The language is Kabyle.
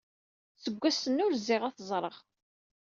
Seg wass-nni ur zziɣ ad t-ẓreɣ.